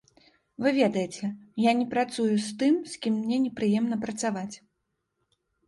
Вы ведаеце, я не працую з тым, з кім мне непрыемна працаваць.